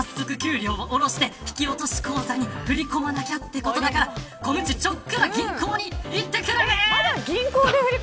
早速給料を下ろして引き落とし口座に振り込まなきゃってことだからこむっち、ちょっくら銀行に行ってくるね。